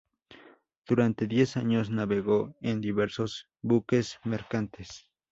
Durante diez años navegó en diversos buques mercantes.